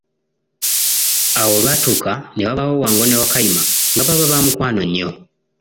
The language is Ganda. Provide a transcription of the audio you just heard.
Awo olwatuuka na wabaawo Wango ne Wakayima nga baba bamukwano nnyo